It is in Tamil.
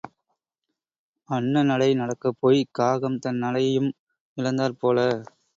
அன்ன நடை நடக்கப் போய்க் காகம் தன் நடையும் இழந்தாற் போல.